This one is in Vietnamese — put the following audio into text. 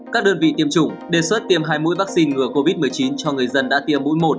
các đơn vị tiêm chủng đề xuất tiêm hai mũi vaccine ngừa covid một mươi chín cho người dân đã tiêm mũi một